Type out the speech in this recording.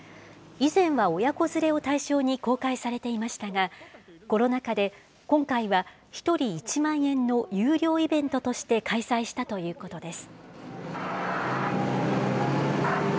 以前は親子連れを対象に公開されていましたが、コロナ禍で、今回は１人１万円の有料イベントとして開催したということです。